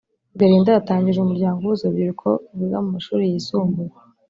Belinda yatangije umuryango uhuza urubyiruko rwiga mu mashuli yisumbuye